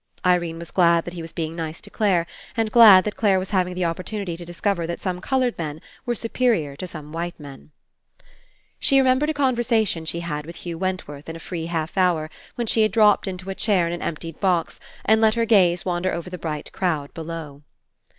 Irene was glad that he was being nice to Clare, and glad that Clare was having the opportunity to discover that some coloured men were superior to some white men. She remembered a conversation she had with Hugh Wentworth in a free half hour when 136 RE ENCOUNTER she had dropped into a chair in an emptied box and let her gaze wander over the bright crowd below.